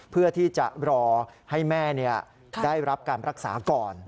เพื่อที่จะรอให้แม่ได้รับการรักษาก่อน